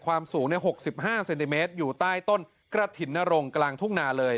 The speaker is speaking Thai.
ความสูง๖๕เซนติเมตรอยู่ใต้ต้นกระถิ่นนรงกลางทุ่งนาเลย